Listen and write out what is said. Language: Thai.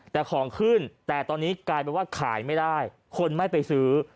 แต่ของขึ้นแต่ตอนนี้กลายเป็นว่าขายไม่ได้คนไม่ไปซื้อ